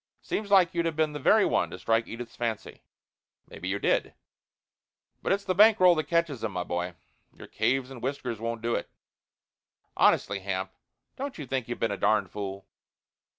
Seems like you'd have been the very one to strike Edith's fancy. Maybe you did but it's the bank roll that catches 'em, my boy your caves and whiskers won't do it. Honestly, Hamp, don't you think you've been a darned fool?"